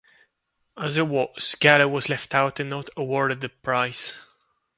As it was, Gallo was left out and not awarded a prize.